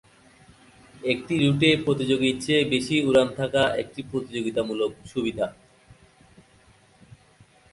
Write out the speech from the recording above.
একটি রুটে প্রতিযোগীর চেয়ে বেশি উড়ান থাকা একটি প্রতিযোগিতামূলক সুবিধা।